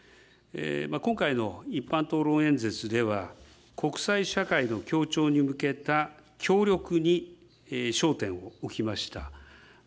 今回の一般討論演説では、国際社会の協調に向けた協力に焦点を置きました。